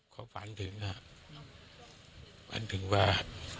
เขาฝันถึงฝันถึงว่า